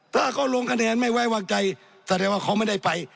ถ้าเขาลงคะแนนไม่ไว้วางใจแสดงว่าเขาไม่ได้ไป